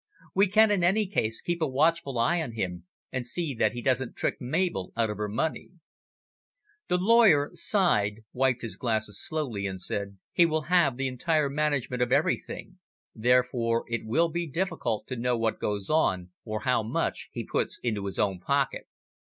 We can in any case, keep a watchful eye on him, and see that he doesn't trick Mabel out of her money." The lawyer sighed, wiped his glasses slowly, and said "He will have the entire management of everything, therefore it will be difficult to know what goes on, or how much he puts into his own pocket."